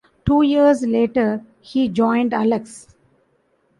Two years later he joined Alex.